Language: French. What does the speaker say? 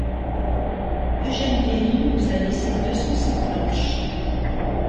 Eugène Bléry nous a laissé deux cent six planches.